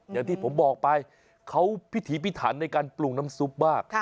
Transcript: อย่างที่ผมบอกไปเขาพิถีพิถันในการปรุงน้ำซุปมาก